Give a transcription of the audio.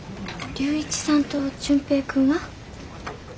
龍一さんと純平君は？